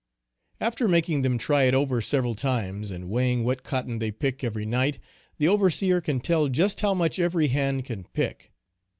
After making them try it over several times and weighing what cotton they pick every night, the overseer can tell just how much every hand can pick.